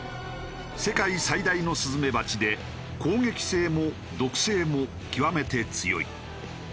世界最大のスズメバチで攻撃性も毒性も極めて強い。